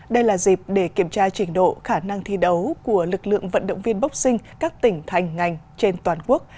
đây là dịp để kiểm tra trình độ khả năng thi đấu của lực lượng vận động viên boxing các tỉnh thành ngành trên toàn quốc